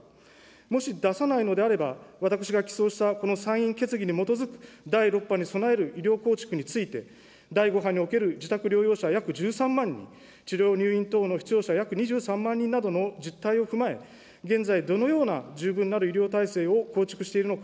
もし出さないのであれば、私が起草したこの参院決議に基づく第６波に備える医療構築について、第５波における自宅療養者約１３万人、治療・入院等の必要者約２３万人などの実態を踏まえ、現在、どのような十分なる医療体制を構築しているのか。